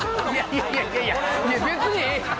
いやいや別にええやん！